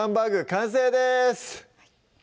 完成です